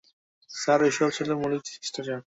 Sir, এসব ছিল মৌলিক শিষ্টাচার।